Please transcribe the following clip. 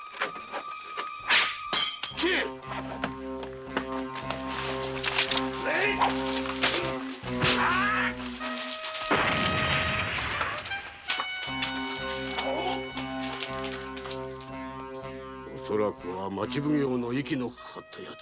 斬れ恐らくは町奉行の息のかかったヤツ。